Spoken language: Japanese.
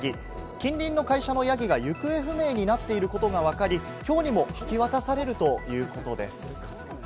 近隣の会社のヤギが行方不明になっていることがわかり、今日にも引き渡されるということです。